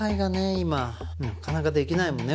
今なかなかできないもんね